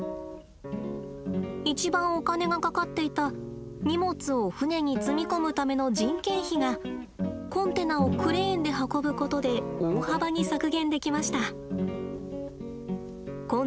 一番お金がかかっていた荷物を船に積み込むための人件費がコンテナをクレーンで運ぶことで大幅に削減できました。